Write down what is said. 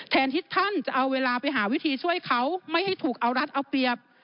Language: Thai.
แทนที่ท่านจะเอาเวลาไปหาวิธีช่วยเขาไม่ให้ถูกเอารัฐเอาเปรียบ